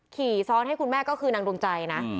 ขี่ซ้อนให้คุณแม่ก็คือนางดวงใจนะ